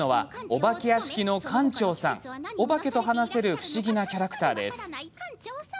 お化けと話せる不思議なキャラクターです。